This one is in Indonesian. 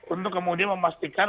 untuk kemudian memastikan